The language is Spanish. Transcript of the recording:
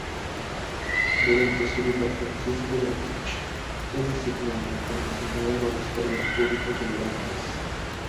Durante su vida Francisco La-Roche fue designado para desempeñar varios cargos públicos relevantes.